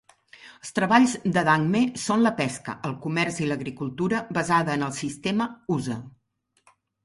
Els treballs d'Adangme són la pesca, el comerç i l'agricultura basada en el sistema "huza".